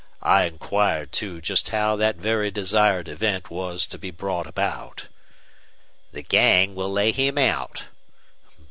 "I inquired, too, just how that very desired event was to be brought about." "The gang will lay him out."